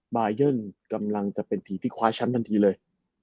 บายันกำลังจะเป็นทีมที่คว้าแชมป์ทันทีเลย